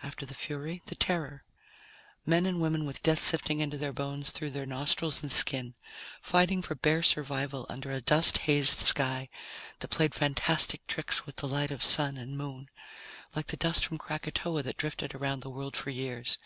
After the Fury, the Terror. Men and women with death sifting into their bones through their nostrils and skin, fighting for bare survival under a dust hazed sky that played fantastic tricks with the light of Sun and Moon, like the dust from Krakatoa that drifted around the world for years.